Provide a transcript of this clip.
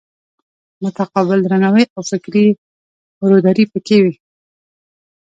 متقابل درناوی او فکري روداري پکې وي.